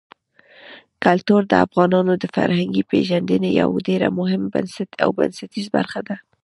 کلتور د افغانانو د فرهنګي پیژندنې یوه ډېره مهمه او بنسټیزه برخه ده.